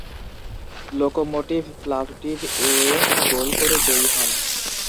Locomotive Plovdiv away goal করে জয়ী হন।